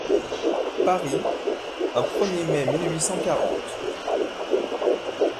Paris, un er mai mille huit cent quarante.